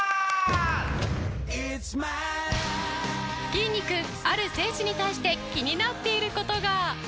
きんに君ある選手に対して気になっている事が。